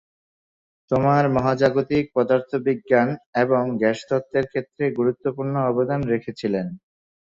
তিনি মহাজাগতিক পদার্থবিজ্ঞান এবং গ্যাস তত্ত্বের ক্ষেত্রে গুরুত্বপূর্ণ অবদান রেখেছিলেন।